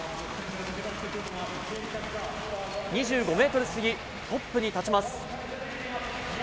２５メートル過ぎ、トップに立ちます。